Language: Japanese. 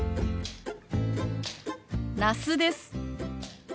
那須です。